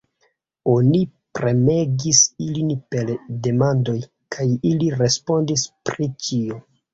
Oni premegis ilin per demandoj, kaj ili respondis pri ĉio.